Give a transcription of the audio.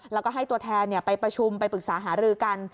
แล้วก็ให้ตัวแทนไปประชุมไปปรึกษาหารือกัน